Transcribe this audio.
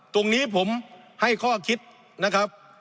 ตรงนี้ผมให้ข้อคิดนะครับ